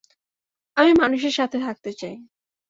আমি মানুষের সাথে থাকতে চাই!